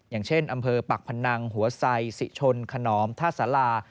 อย่างเช่นอำเภอปักพนังหัวไซสิชนขนอมท่าสารา